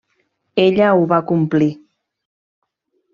Ella ho va complir.